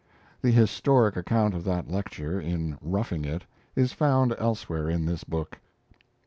The historic account of that lecture, in 'Roughing It', is found elsewhere in this book.